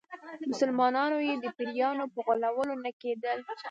مسلمانانو یې د پیرانو په غولولو نه کېدل.